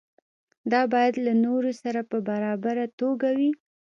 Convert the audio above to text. دا باید له نورو سره په برابره توګه وي.